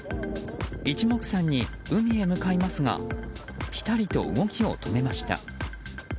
一目散に海へ向かいますがぴたりと動きを止めました。